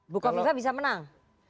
bukal fifa bisa menang